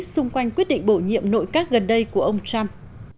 xung quanh quyết định bổ nhiệm nội các gần đây của ông trump